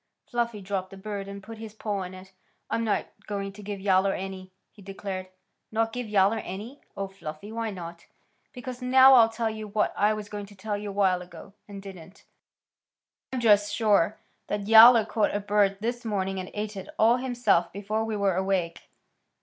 Fluffy dropped the bird and put his paw on it. "I'm not going to give Yowler any," he declared. "Not give Yowler any! Oh, Fluffy! Why not?" "Because. Now I'll tell you what I was going to tell you awhile ago, and didn't. I'm just sure Yowler caught a bird this morning and ate it all himself before we were awake."